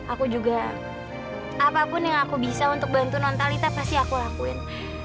aku juga apapun yang aku bisa untuk bantu non talita pasti aku lakuin